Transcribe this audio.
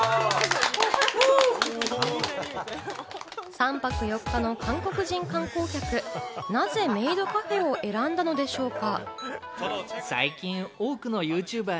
３泊４日の韓国人観光客、なぜメイドカフェを選んだのでしょうか？